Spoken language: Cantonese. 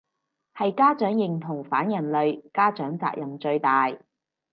係家長認同反人類，家長責任最大